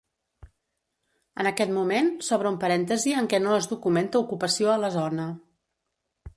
En aquest moment, s'obre un parèntesi en què no es documenta ocupació a la zona.